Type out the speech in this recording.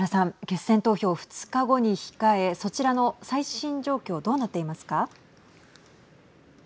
決選投票２日後に控えそちらの最新状況どうなっていますか。